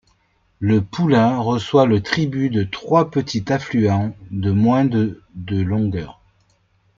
Le Poulain reçoit le tribut de trois petits affluents de moins de de longueur.